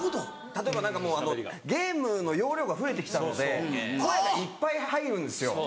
例えばゲームの容量が増えてきたので声がいっぱい入るんですよ。